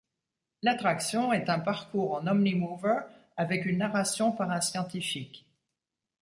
L'attraction est un parcours en Omnimover avec une narration par un scientifique.